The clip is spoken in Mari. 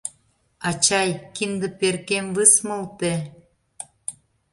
Ачай, кинде перкем высмылте.